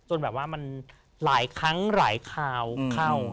จนแบบว่ามันหลายครั้งนะคะวเข้า